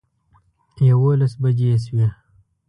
یوولس بجې شوې.